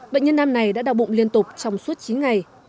bệnh nhân nam này đã đau bụng liên tục trong suốt chín ngày